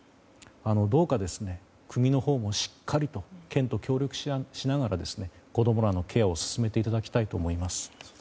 どうか、国のほうもしっかりと県と協力しながら子供らのケアを進めていただきたいと思います。